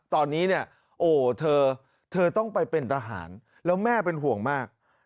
ตอนนี้เธอต้องไปเป็นทหารแล้วแม่เป็นห่วงมาก